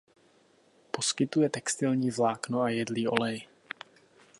Poskytuje textilní vlákno a jedlý olej.